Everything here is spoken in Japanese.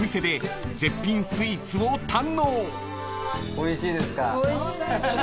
おいしいですか？